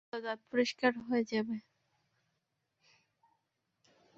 খুব ভালো, দাঁত পরিষ্কার হয়ে যাবে।